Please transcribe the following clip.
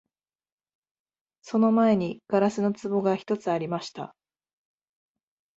その前に硝子の壺が一つありました